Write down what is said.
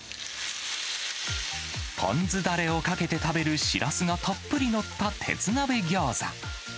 ぽん酢だれをかけて食べるシラスがたっぷり載った鉄鍋ギョーザ。